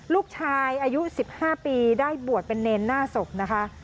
ลูกชายอายุ๑๕ปีได้บวชเป็นเนรหน้าศพนะคะ